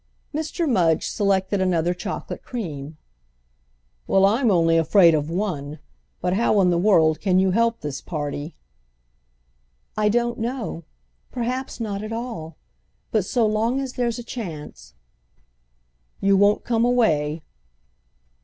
Mr. Mudge selected another chocolate cream. "Well, I'm only afraid of one! But how in the world can you help this party?" "I don't know—perhaps not at all. But so long as there's a chance—" "You won't come away?"